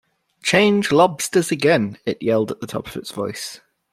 ‘Change lobsters again!’ it yelled at the top of its voice.